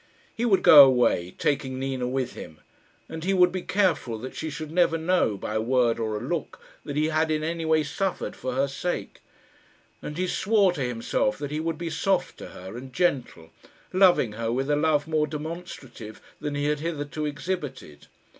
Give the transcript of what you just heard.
He would go away, taking Nina with him. And he would be careful that she should never know, by a word or a look, that he had in any way suffered for her sake. And he swore to himself that he would be soft to her, and gentle, loving her with a love more demonstrative than he had hitherto exhibited.